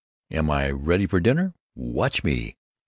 Am I ready for dinner? Watch me!"